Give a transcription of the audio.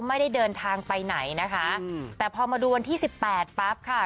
ไม่ได้เดินทางไปไหนนะคะแต่พอมาดูวันที่สิบแปดปั๊บค่ะ